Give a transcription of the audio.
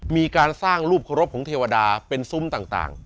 มีการสร้างรูปเคารพของเทวดาเป็นซุ้มต่าง